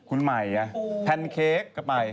คุณใหม่แพนเค้กก็ไป